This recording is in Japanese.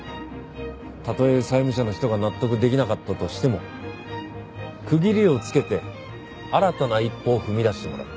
たとえ債務者の人が納得できなかったとしても区切りをつけて新たな一歩を踏み出してもらう。